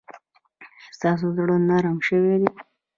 ایا ستاسو زړه نرم شوی دی؟